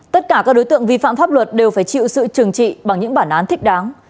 tất cả các đối tượng vi phạm pháp luật đều phải chịu sự trừng trị bằng những bản án thích đáng